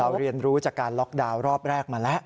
เรียนรู้จากการล็อกดาวน์รอบแรกมาแล้ว